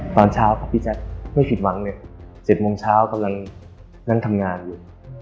ตอนเช้าครับพี่แจ๊คไม่ผิดหวังเลย๗โมงเช้ากำลังนั่งทำงานอยู่